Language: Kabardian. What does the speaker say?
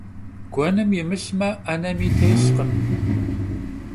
Guenım yimılhme, 'enemi têlhkhım.